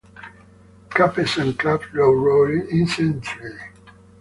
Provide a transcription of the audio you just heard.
Cafes and clubs roared incessantly.